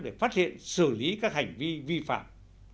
để phát hiện xử lý các hành vi vi phạm